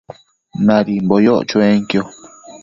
Nadimbo yoc chuenquio